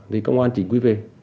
thì công an chính quy về